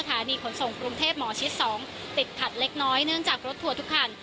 ติดขัดเล็กน้อยเนื่องจากรถทัวร์ทุกคัน